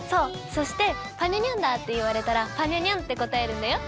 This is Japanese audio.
そして「ぱにゃにゃんだー」っていわれたら「ぱにゃにゃん」ってこたえるんだよ。